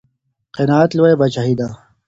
قناعت لويه پاچاهي ده.